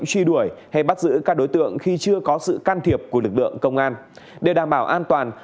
truy đuổi hay bắt giữ các đối tượng khi chưa có sự can thiệp của lực lượng công an để đảm bảo an toàn